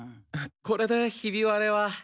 これでヒビ割れは。